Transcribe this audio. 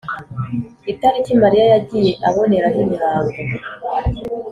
itariki mariya yagiye aboneraho imihango